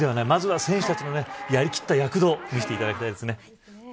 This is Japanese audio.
まずは選手たちのやりきった躍動見せていただきたいですね。